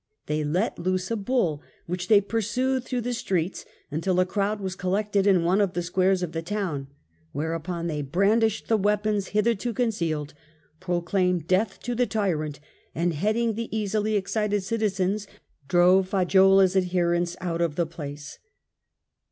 They let loose a bull, which they pursued through the streets, until a crowd was collected in one of the squares of the town, whereupon they brandished the weapons hitherto concealed, pro claimed death to the tyrant, and heading the easily ex cited citizens drove Faggiuola's adherents out of the place.